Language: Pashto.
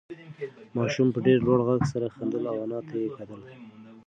ماشوم په ډېر لوړ غږ سره خندل او انا ته یې کتل.